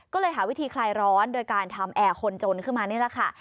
ก็เลยหาวิธีคลายร้อนโดยการทำแอร์คนจนขึ้นมานี่แหละค่ะ